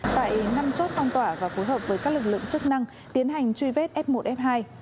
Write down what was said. tại năm chốt phong tỏa và phối hợp với các lực lượng chức năng tiến hành truy vết f một f hai